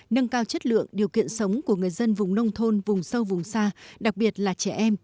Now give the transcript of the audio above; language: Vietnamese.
nâng cao chất lượng điều kiện sống của người dân vùng nông thôn vùng sâu vùng xa đặc biệt là trẻ em